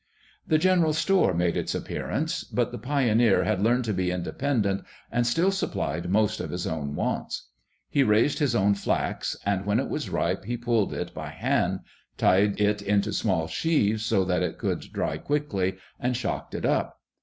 The general store made its appearance, but the pioneer had learned to be independent and still supplied most of his own wants. He raised his own flax, and when it was ripe he pulled it by hand, tied it into small sheaves so that it would dry quickly, and shocked it up.